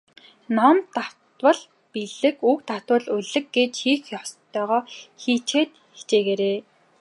Ном давтвал билиг, үг давтвал улиг гэж хийх ёстойгоо хичээгээд хийцгээгээрэй.